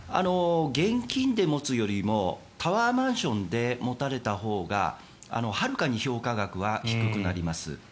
現金で持つよりもタワーマンションで持たれたほうがはるかに評価額は低くなります。